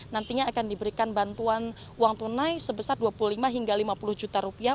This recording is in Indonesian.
nantinya akan diberikan bantuan uang tunai sebesar dua puluh lima hingga lima puluh juta rupiah